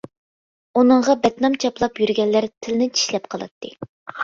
ئۇنىڭغا بەتنام چاپلاپ يۈرگەنلەر تىلىنى چىشلەپ قالاتتى.